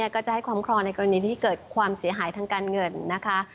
ก็จะให้ความครองในกรณีที่เกิดความเสียหายทางการเงินนะคะ